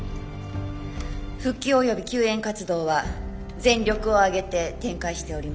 復旧および救援活動は全力を挙げて展開しております。